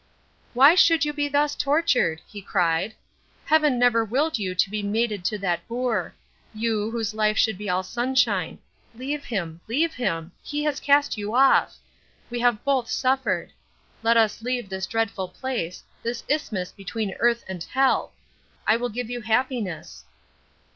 "Why should you be thus tortured?" he cried. "Heaven never willed you to be mated to that boor you, whose life should be all sunshine. Leave him leave him. He has cast you off. We have both suffered. Let us leave this dreadful place this isthmus between earth and hell! I will give you happiness."